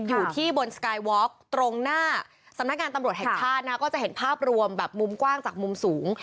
อยู่ที่บนสกายวอล์กตรงหน้าสำนักงานตำรวจแห่งชาตินะก็จะเห็นภาพรวมแบบมุมกว้างจากมุมสูง